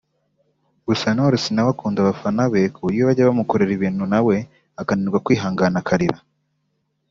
Gusa Knowless nawe akunda abafana be kuburyo bajya bamukorera ibintu nawe akananirwa kwihangana akarira